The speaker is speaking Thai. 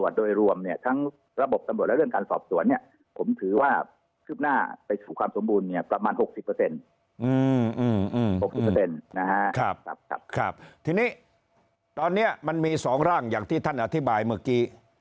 เต็มนะฮะครับครับทีนี้มันมีสองร่างอยากที่ท่านอธิบายเมื่อกี้